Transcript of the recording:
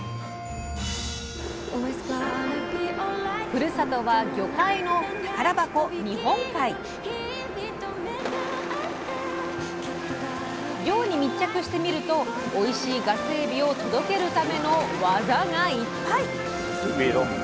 ふるさとは魚介の宝箱漁に密着してみるとおいしいガスエビを届けるための技がいっぱい！